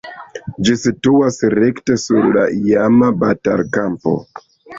Ĝi situas rekte sur la iama batalkampo.